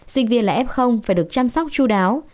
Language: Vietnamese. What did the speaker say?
sinh viên là f phải được chăm sóc chú đáo